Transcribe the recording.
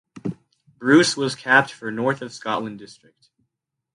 Bruce was capped for North of Scotland District.